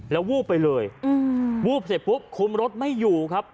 แล้ววูบไปเลยวูบเสร็จปุ๊บคุมรถไม่อยู่ครับ